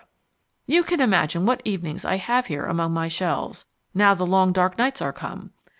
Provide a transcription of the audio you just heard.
You can imagine what evenings I have here among my shelves, now the long dark nights are come!